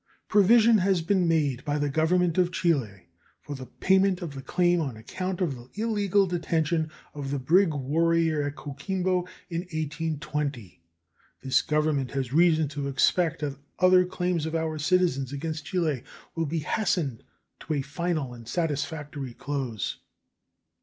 Provision has been made by the Government of Chile for the payment of the claim on account of the illegal detention of the brig Warrior at Coquimbo in 1820. This Government has reason to expect that other claims of our citizens against Chile will be hastened to a final and satisfactory close.